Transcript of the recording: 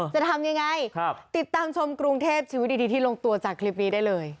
จะทำยังไงติดตามชมกรุงเทพชีวิตดีที่ลงตัวจากคลิปนี้ได้เลย